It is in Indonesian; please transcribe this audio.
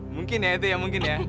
mungkin ya itu ya mungkin ya